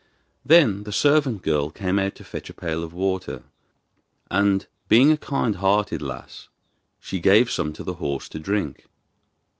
Then the servant girl came out to fetch a pail of water, and, being a kind hearted lass, she gave some to the horse to drink.